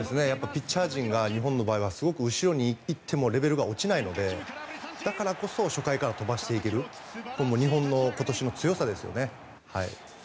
ピッチャー陣が日本の場合は後ろに行ってもレベルが落ちないのでだからこそ初回から飛ばしていける日本の今年の強さですよね。